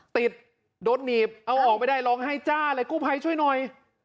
ติดโดดหนีบเอาออกไปได้ร้องให้จ้าอะไรกู้พัยช่วยหน่อย